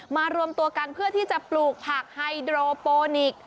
รวมตัวกันเพื่อที่จะปลูกผักไฮโดรโปนิกส